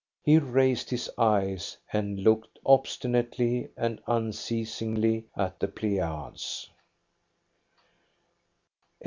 He raised his eyes and looked obstinately and unceasingly at the Pleiades.